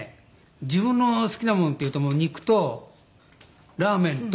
自分の好きなものというともう肉とラーメンと。